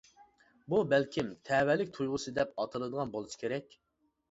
بۇ بەلكىم تەۋەلىك تۇيغۇسى دەپ ئاتىلىدىغان بولسا كېرەك.